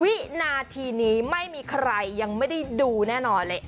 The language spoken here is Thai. วินาทีนี้ไม่มีใครยังไม่ได้ดูแน่นอนเลย